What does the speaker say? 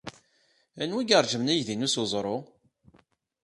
Anwa ay iṛejmen aydi-inu s weẓru?